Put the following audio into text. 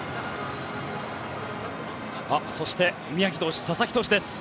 そして、宮城投手佐々木投手です。